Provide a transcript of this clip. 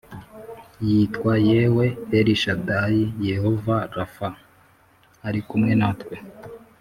Yitwa yawe el shadai jehova rafa ari kumwe natwe